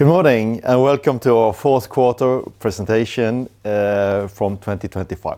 Good morning, and welcome to our fourth quarter presentation from 2025.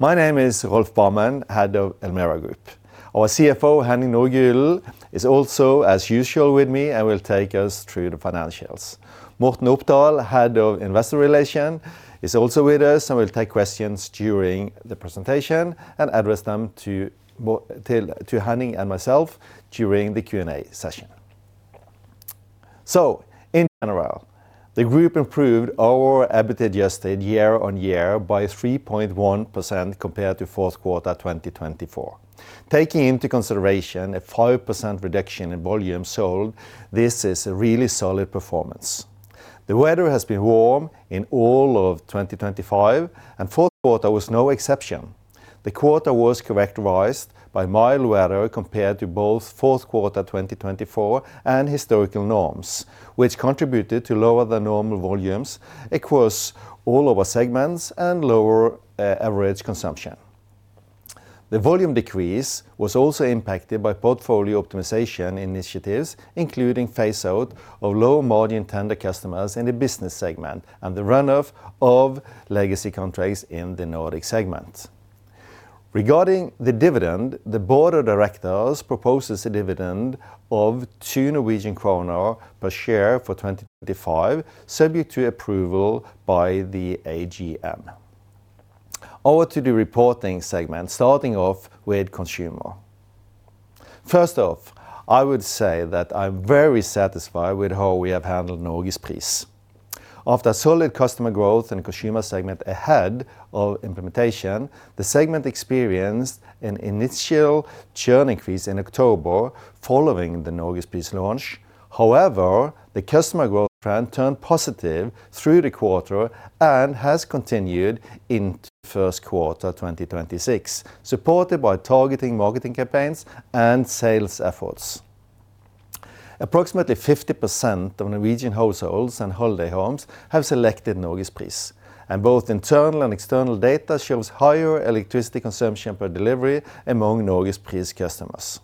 My name is Rolf Barmen, Head of Elmera Group. Our CFO, Henning Nordgulen, is also, as usual, with me and will take us through the financials. Morten Opdal, Head of Investor Relations, is also with us and will take questions during the presentation and address them to Morten to Henning and myself during the Q&A session. So in general, the group improved our EBITDA adjusted year-on-year by 3.1% compared to fourth quarter 2024. Taking into consideration a 5% reduction in volume sold, this is a really solid performance. The weather has been warm in all of 2025, and fourth quarter was no exception. The quarter was characterized by mild weather compared to both fourth quarter 2024 and historical norms, which contributed to lower-than-normal volumes across all of our segments and lower average consumption. The volume decrease was also impacted by portfolio optimization initiatives, including phase-out of low-margin tender customers in the Business segment and the run-off of legacy contracts in the Nordic segment. Regarding the dividend, the board of directors proposes a dividend of 2 Norwegian kroner per share for 2025, subject to approval by the AGM. Over to the reporting segment, starting off with Consumer. First off, I would say that I'm very satisfied with how we have handled Norgespris. After solid customer growth in the Consumer segment ahead of implementation, the segment experienced an initial churn increase in October following the Norgespris launch. However, the customer growth trend turned positive through the quarter and has continued into first quarter 2026, supported by targeting marketing campaigns and sales efforts. Approximately 50% of Norwegian households and holiday homes have selected Norgespris, and both internal and external data shows higher electricity consumption per delivery among Norgespris customers.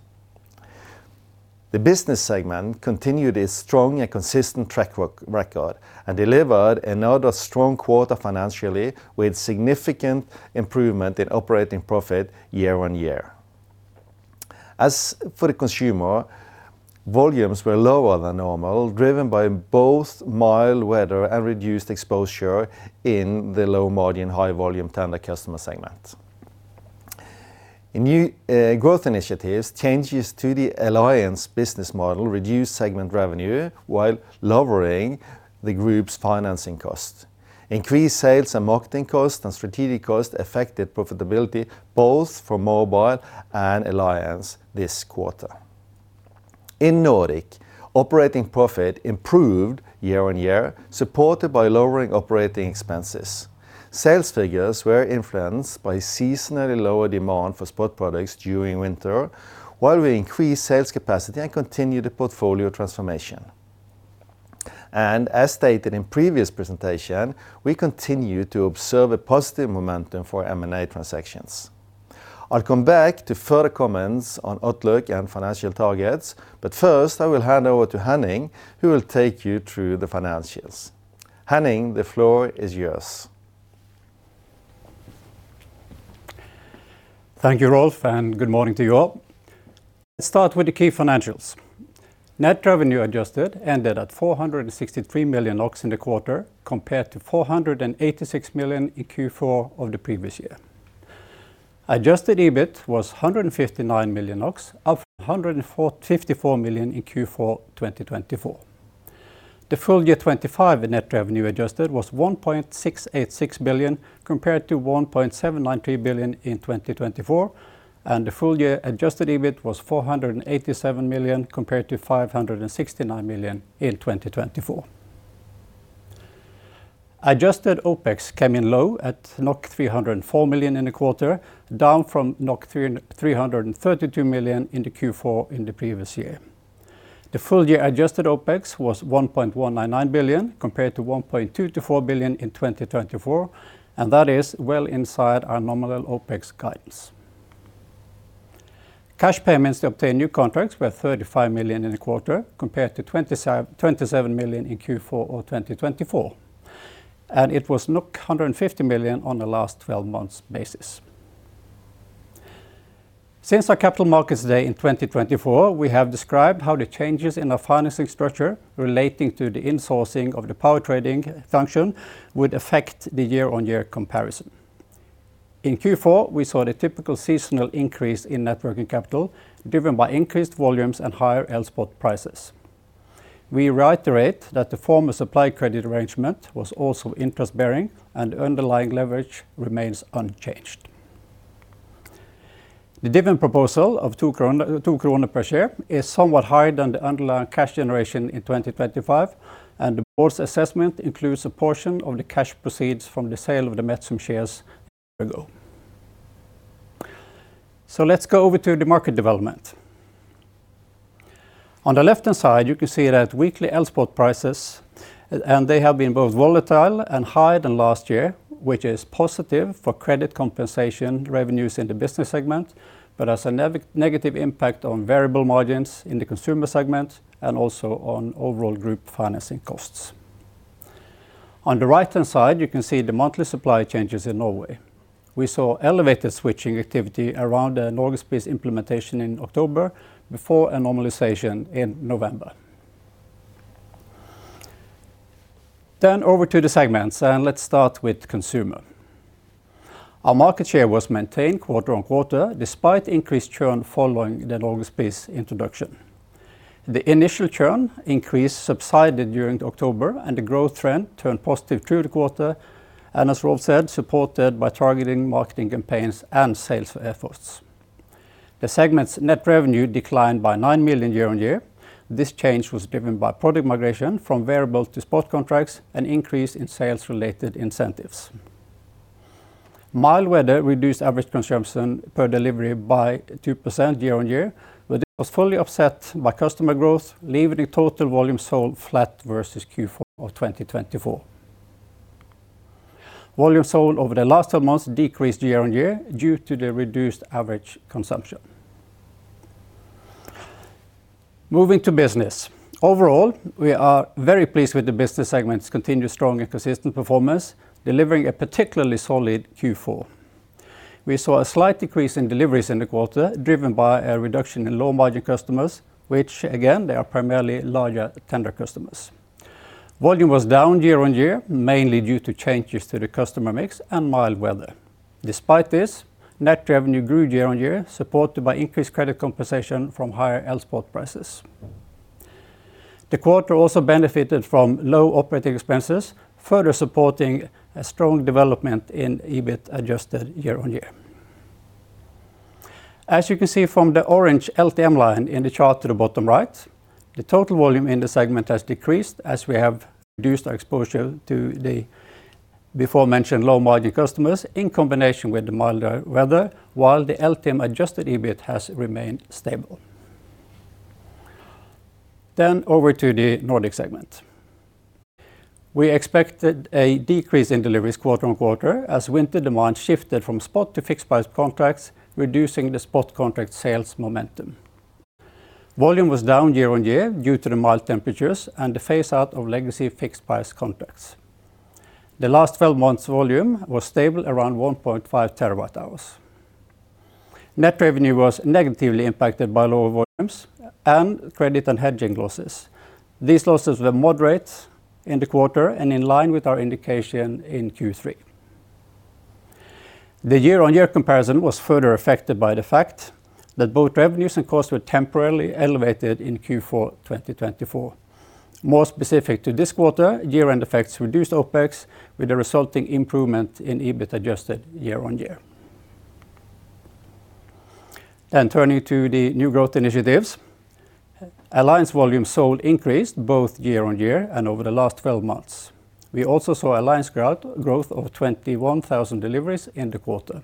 The Business segment continued its strong and consistent track record and delivered another strong quarter financially, with significant improvement in operating profit year-on-year. As for the Consumer, volumes were lower than normal, driven by both mild weather and reduced exposure in the low-margin, high-volume tender customer segment. In New Growth Initiatives, changes to the Alliance business model reduced segment revenue while lowering the group's financing cost. Increased sales and marketing costs and strategic costs affected profitability both for Mobile and Alliance this quarter. In Nordic, operating profit improved year-on-year, supported by lowering operating expenses. Sales figures were influenced by seasonally lower demand for spot products during winter, while we increased sales capacity and continued the portfolio transformation. As stated in previous presentation, we continue to observe a positive momentum for M&A transactions. I'll come back to further comments on outlook and financial targets, but first, I will hand over to Henning, who will take you through the financials. Henning, the floor is yours. Thank you, Rolf, and good morning to you all. Let's start with the key financials. Net revenue adjusted ended at 463 million in the quarter, compared to 486 million in Q4 of the previous year. Adjusted EBIT was 159 million, up from 154 million in Q4 2024. The full year 2025 net revenue adjusted was 1.686 billion, compared to 1.793 billion in 2024, and the full year adjusted EBIT was 487 million, compared to 569 million in 2024. Adjusted OpEx came in low at 304 million in the quarter, down from 332 million in the Q4 in the previous year. The full year adjusted OpEx was 1.199 billion, compared to 1.224 billion in 2024, and that is well inside our nominal OpEx guidance. Cash payments to obtain new contracts were 35 million in the quarter, compared to 27 million in Q4 of 2024, and it was 150 million on the last twelve months basis. Since our Capital Markets Day in 2024, we have described how the changes in our financing structure relating to the insourcing of the power trading function would affect the year-on-year comparison. In Q4, we saw the typical seasonal increase in net working capital, driven by increased volumes and higher spot prices. We reiterate that the former supply credit arrangement was also interest-bearing and underlying leverage remains unchanged. The dividend proposal of 2 kroner per share is somewhat higher than the underlying cash generation in 2025, and the board's assessment includes a portion of the cash proceeds from the sale of the Metzum shares a year ago. So let's go over to the market development. On the left-hand side, you can see that weekly Elspot prices, and they have been both volatile and higher than last year, which is positive for credit compensation revenues in the Business segment, but has a negative impact on variable margins in the Consumer segment and also on overall group financing costs. On the right-hand side, you can see the monthly supplier changes in Norway. We saw elevated switching activity around the Norgespris implementation in October, before a normalization in November. Then over to the segments, and let's start with Consumer. Our market share was maintained quarter-on-quarter, despite increased churn following the Norgespris introduction. The initial churn increase subsided during October, and the growth trend turned positive through the quarter, and as Rolf said, supported by targeting marketing campaigns and sales efforts. The segment's net revenue declined by 9 million year-on-year. This change was driven by product migration from variable to spot contracts and increase in sales-related incentives. Mild weather reduced average consumption per delivery by 2% year-on-year, but it was fully offset by customer growth, leaving the total volume sold flat versus Q4 of 2024. Volume sold over the last two months decreased year-on-year due to the reduced average consumption. Moving to Business. Overall, we are very pleased with the Business segment's continued strong and consistent performance, delivering a particularly solid Q4. We saw a slight decrease in deliveries in the quarter, driven by a reduction in low-margin customers, which, again, they are primarily larger tender customers. Volume was down year-on-year, mainly due to changes to the customer mix and mild weather. Despite this, net revenue grew year-on-year, supported by increased credit compensation from higher spot prices. The quarter also benefited from low operating expenses, further supporting a strong development in EBIT adjusted year-on-year. As you can see from the orange LTM line in the chart to the bottom right, the total volume in the segment has decreased as we have reduced our exposure to the beforementioned low-margin customers in combination with the milder weather, while the LTM-adjusted EBIT has remained stable. Then over to the Nordic segment. We expected a decrease in deliveries quarter-on-quarter as winter demand shifted from spot to fixed-price contracts, reducing the spot contract sales momentum. Volume was down year-on-year due to the mild temperatures and the phase-out of legacy fixed-price contracts. The last twelve months' volume was stable around 1.5 TWh. Net revenue was negatively impacted by lower volumes and credit and hedging losses. These losses were moderate in the quarter and in line with our indication in Q3. The year-on-year comparison was further affected by the fact that both revenues and costs were temporarily elevated in Q4 2024. More specific to this quarter, year-end effects reduced OpEx, with a resulting improvement in EBIT adjusted year-on-year. Then turning to the New Growth Initiatives. Alliance volume sold increased both year-on-year and over the last twelve months. We also saw Alliance growth, growth of 21,000 deliveries in the quarter.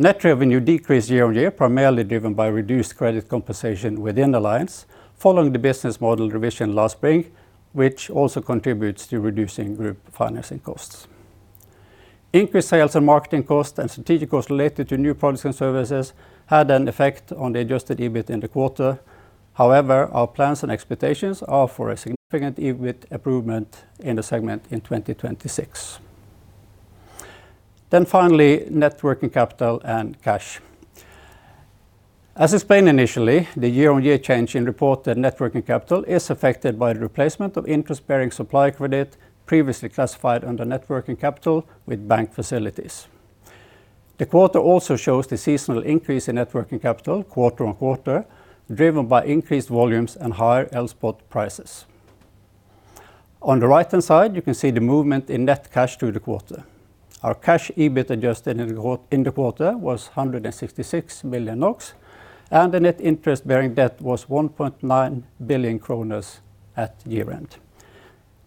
Net revenue decreased year-on-year, primarily driven by reduced credit compensation within Alliance, following the Business model revision last spring, which also contributes to reducing group financing costs. Increased sales and marketing costs and strategic costs related to new products and services had an effect on the adjusted EBIT in the quarter. However, our plans and expectations are for a significant EBIT improvement in the segment in 2026. Then finally, net working capital and cash. As explained initially, the year-on-year change in reported net working capital is affected by the replacement of interest-bearing supply credit previously classified under net working capital with bank facilities. The quarter also shows the seasonal increase in net working capital, quarter-on-quarter, driven by increased volumes and higher spot prices. On the right-hand side, you can see the movement in net cash through the quarter. Our cash EBIT adjusted in the quarter was 166 million NOK, and the net interest-bearing debt was 1.9 billion kroner at year-end.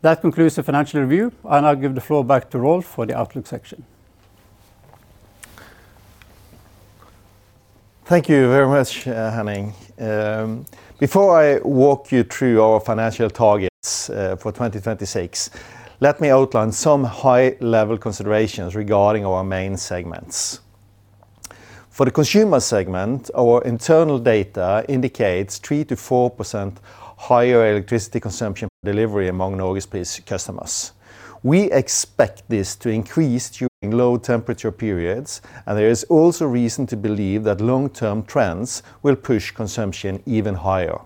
That concludes the financial review. I'll now give the floor back to Rolf for the outlook section. Thank you very much, Henning. Before I walk you through our financial targets for 2026, let me outline some high-level considerations regarding our main segments. For the Consumer segment, our internal data indicates 3%-4% higher electricity consumption delivery among Norgespris customers. We expect this to increase during low-temperature periods, and there is also reason to believe that long-term trends will push consumption even higher.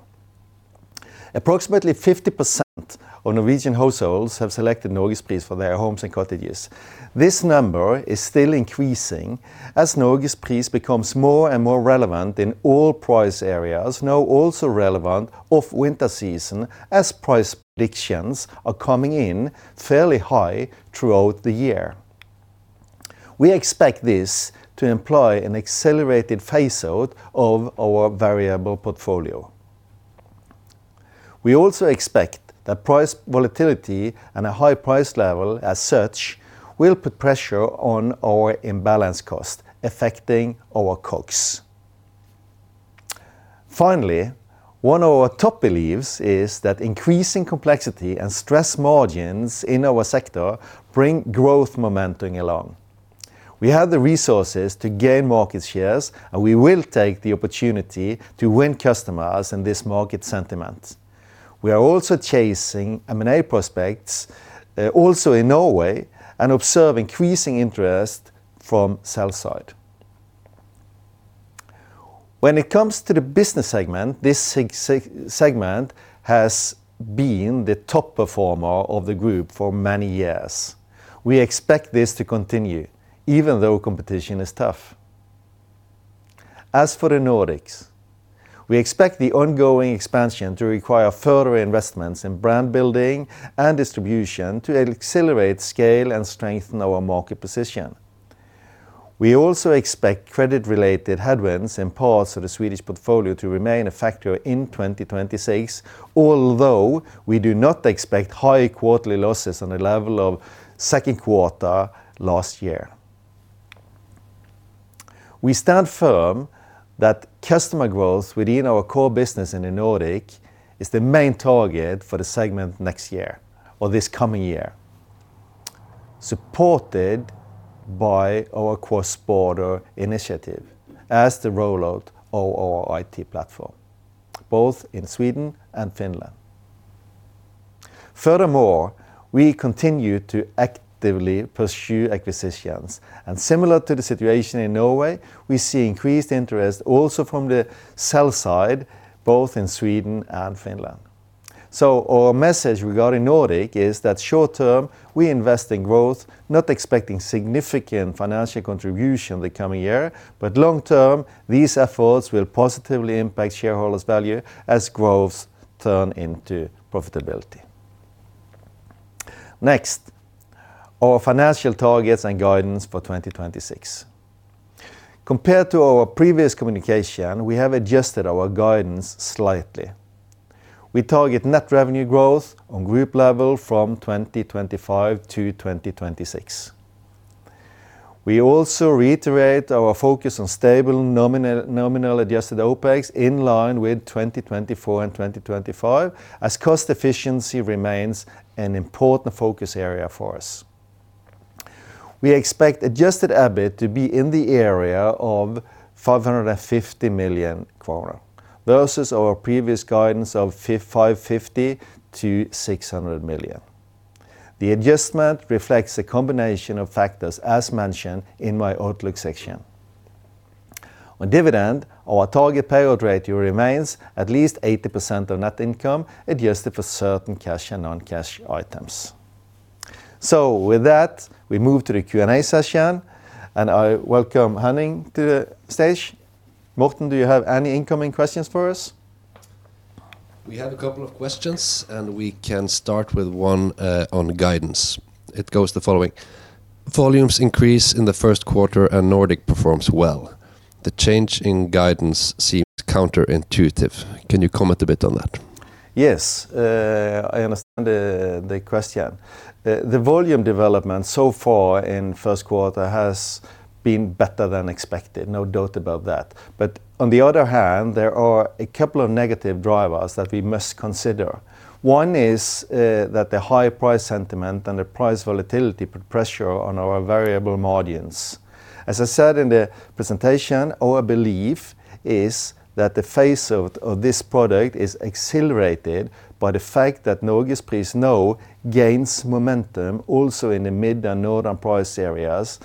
Approximately 50% of Norwegian households have selected Norgespris for their homes and cottages. This number is still increasing as Norgespris becomes more and more relevant in all price areas, now also relevant off-winter season, as price predictions are coming in fairly high throughout the year. We expect this to employ an accelerated phase-out of our variable portfolio. We also expect that price volatility and a high price level as such will put pressure on our imbalance cost, affecting our COGS. Finally, one of our top beliefs is that increasing complexity and stress margins in our sector bring growth momentum along. We have the resources to gain market shares, and we will take the opportunity to win customers in this market sentiment. We are also chasing M&A prospects also in Norway, and observe increasing interest from sell side. When it comes to the Business segment, this segment has been the top performer of the group for many years. We expect this to continue, even though competition is tough. As for the Nordics, we expect the ongoing expansion to require further investments in brand building and distribution to accelerate scale and strengthen our market position. We also expect credit-related headwinds in parts of the Swedish portfolio to remain a factor in 2026, although we do not expect high quarterly losses on the level of second quarter last year. We stand firm that customer growth within our core business in the Nordic is the main target for the segment next year or this coming year, supported by our cross-border initiative as the rollout of our IT platform, both in Sweden and Finland. Furthermore, we continue to actively pursue acquisitions, and similar to the situation in Norway, we see increased interest also from the sell side, both in Sweden and Finland. So our message regarding Nordic is that short term, we invest in growth, not expecting significant financial contribution the coming year, but long term, these efforts will positively impact shareholders' value as growth turn into profitability. Next, our financial targets and guidance for 2026. Compared to our previous communication, we have adjusted our guidance slightly. We target net revenue growth on group level from 2025 to 2026. We also reiterate our focus on stable nominal adjusted OpEx in line with 2024 and 2025, as cost efficiency remains an important focus area for us. We expect adjusted EBIT to be in the area of 550 million kroner, versus our previous guidance of 550 million-600 million. The adjustment reflects a combination of factors, as mentioned in my outlook section. On dividend, our target payout rate remains at least 80% of net income, adjusted for certain cash and non-cash items. So with that, we move to the Q&A session, and I welcome Henning to the stage. Morten, do you have any incoming questions for us? We have a couple of questions, and we can start with one on guidance. It goes the following: Volumes increase in the first quarter, and Nordic performs well. The change in guidance seems counterintuitive. Can you comment a bit on that? Yes, I understand the question. The volume development so far in first quarter has been better than expected, no doubt about that. But on the other hand, there are a couple of negative drivers that we must consider. One is, that the high price sentiment and the price volatility put pressure on our variable margins. As I said in the presentation, our belief is that the phase out of this product is accelerated by the fact that Norwegian price now gains momentum also in the mid and northern price areas,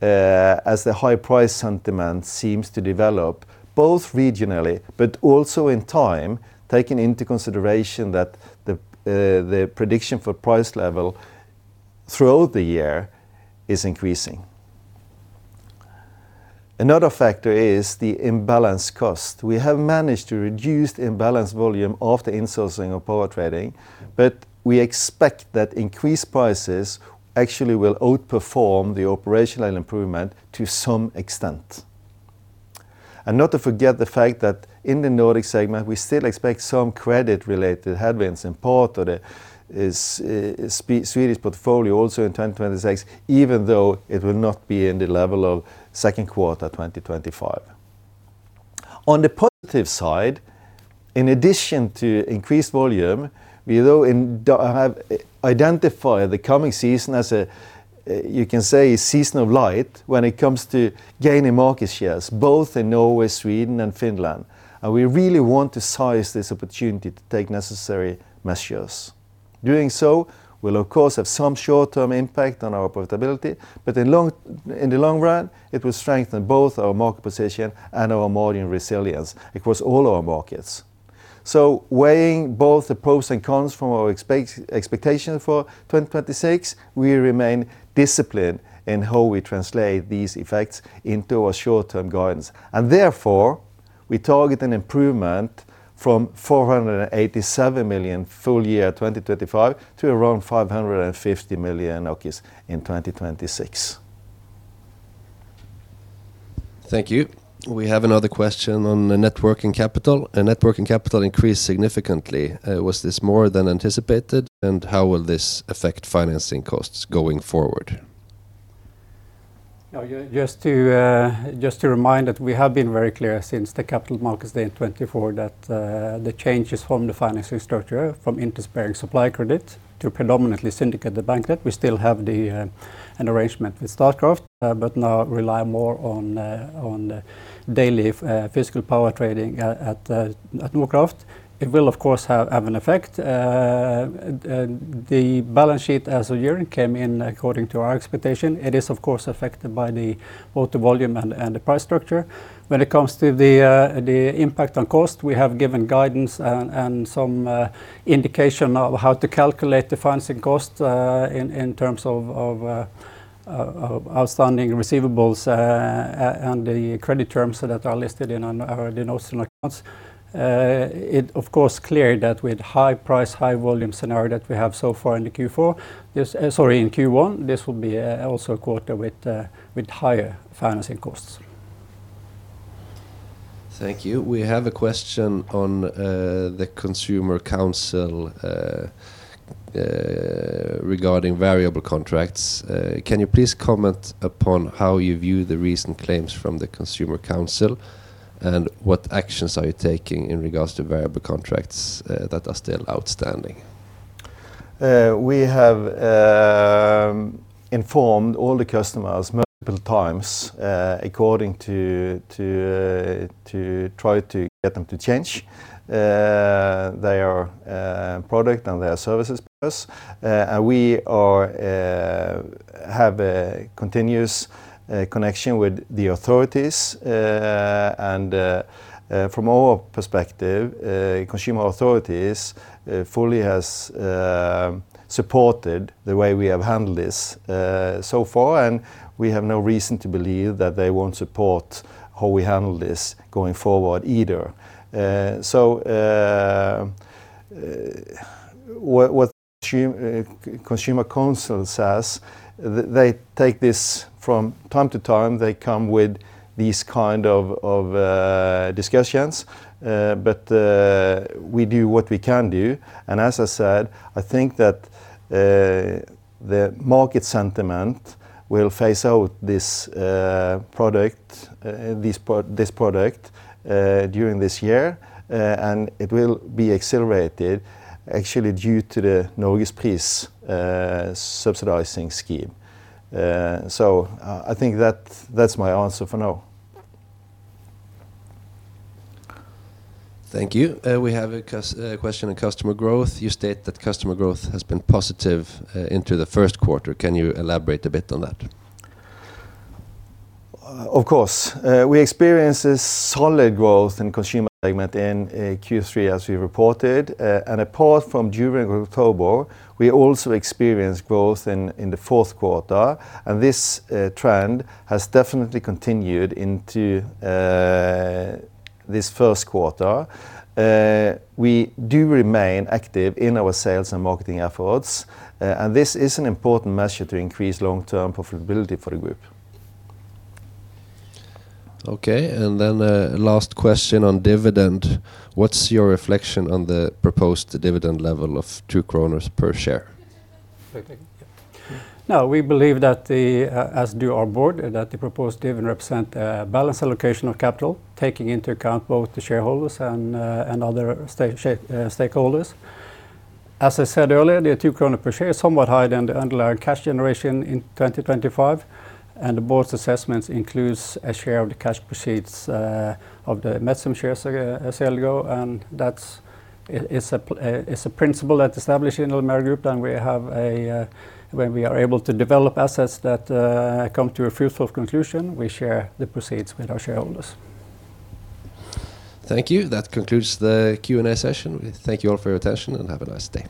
as the high price sentiment seems to develop, both regionally, but also in time, taking into consideration that the prediction for price level throughout the year is increasing. Another factor is the imbalance cost. We have managed to reduce the imbalance volume of the insourcing of power trading, but we expect that increased prices actually will outperform the operational improvement to some extent. Not to forget the fact that in the Nordic segment, we still expect some credit-related headwinds, and part of this is the Swedish portfolio also in 2026, even though it will not be in the level of second quarter 2025. On the positive side, in addition to increased volume, we do have identified the coming season as a, you can say, season of light when it comes to gaining market shares, both in Norway, Sweden, and Finland, and we really want to seize this opportunity to take necessary measures. Doing so will of course have some short-term impact on our profitability, but in the long run, it will strengthen both our market position and our margin resilience across all our markets. So weighing both the pros and cons from our expectation for 2026, we remain disciplined in how we translate these effects into our short-term guidance. And therefore, we target an improvement from 487 million full year 2025 to around 550 million in 2026. Thank you. We have another question on the net working capital. Net working capital increased significantly. Was this more than anticipated, and how will this affect financing costs going forward? ... No, just to remind that we have been very clear since the capital markets day in 2024 that the changes from the financing structure from interest-bearing supply credit to predominantly syndicate the bank debt, we still have an arrangement with Statkraft, but now rely more on the daily physical power trading at Nord Pool. It will, of course, have an effect. And the balance sheet as of year-end came in according to our expectation. It is, of course, affected by both the volume and the price structure. When it comes to the impact on cost, we have given guidance and some indication of how to calculate the financing cost in terms of outstanding receivables and the credit terms that are listed in our notes and accounts. It is, of course, clear that with high price, high volume scenario that we have so far in Q1, this will be also a quarter with higher financing costs. Thank you. We have a question on the Consumer Council regarding variable contracts. Can you please comment upon how you view the recent claims from the Consumer Council, and what actions are you taking in regards to variable contracts that are still outstanding? We have informed all the customers multiple times, according to try to get them to change their product and their services with us. And we have a continuous connection with the authorities. And from our perspective, consumer authorities fully has supported the way we have handled this so far, and we have no reason to believe that they won't support how we handle this going forward either. So, what the Consumer Council says, they take this from time to time, they come with these kind of discussions, but we do what we can do. And as I said, I think that the market sentiment will phase out this product during this year. And it will be accelerated actually due to the Norgespris subsidizing scheme. So, I think that's my answer for now. Thank you. We have a question on customer growth. You state that customer growth has been positive into the first quarter. Can you elaborate a bit on that? Of course. We experienced a solid growth in Consumer segment in Q3, as we reported. And apart from during October, we also experienced growth in the fourth quarter, and this trend has definitely continued into this first quarter. We do remain active in our sales and marketing efforts, and this is an important measure to increase long-term profitability for the group. Okay, and then a last question on dividend. What's your reflection on the proposed dividend level of 2 kroner per share? No, we believe that the, as do our board, that the proposed dividend represent balance allocation of capital, taking into account both the shareholders and, and other stakeholders. As I said earlier, the 2 kroner per share is somewhat higher than the underlying cash generation in 2025, and the board's assessments includes a share of the cash proceeds of the Metzum shares sale ago, and that's, it is a principle that's established in Elmera Group, and we have a. When we are able to develop assets that come to a fruitful conclusion, we share the proceeds with our shareholders. Thank you. That concludes the Q&A session. We thank you all for your attention, and have a nice day.